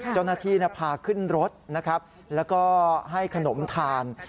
เจ้าหน้าที่พาขึ้นรถนะครับแล้วก็ให้ขนมทาน